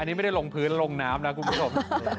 อันนี้ไม่ได้ลงพื้นลงน้ำนะคุณผู้ชม